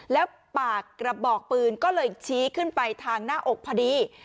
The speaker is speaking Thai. แล้วปากกระบอกปืนก็เลยชี้ขึ้นไปทางหน้าอกพอดี